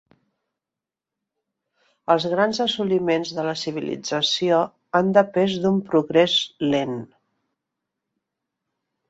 Els grans assoliments de la civilització han depès d'un progrés lent.